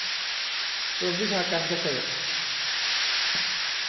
กรมวิชาการเกษตร